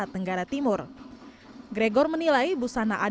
menjadi kami adalah